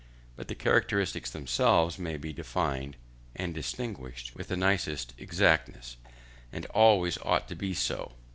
But the characteristics themselves may be defined and distinguished with the nicest exactness, and always ought to be so.